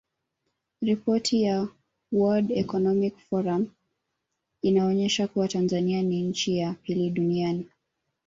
Ripoti ya Word Economic Forum inaonesha kuwa Tanzania ni nchi ya pili duniani